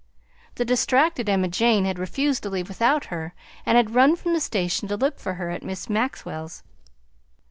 The distracted Emma Jane had refused to leave without her, and had run from the station to look for her at Miss Maxwell's.